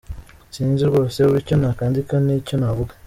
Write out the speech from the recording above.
Sinzi rwose ubu icyo nakandika n’icyo navuga.